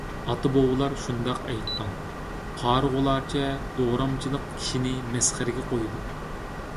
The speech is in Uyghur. ئاتا - بوۋىلار شۇنداق ئېيتقان: قارىغۇلارچە دورامچىلىق كىشىنى مەسخىرىگە قويىدۇ.